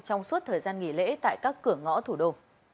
trong suốt thời gian nghỉ lễ tại các cửa ngõ thủ đô